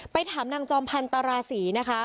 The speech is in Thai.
ถามนางจอมพันธราศีนะคะ